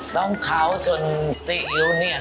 ต้องเขาจนซีอิ๊วเนี่ย